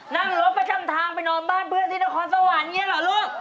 นั่งรถประจำทางไปนอนบ้านเพื่อนที่นครสวรรค์อย่างนี้เหรอลูก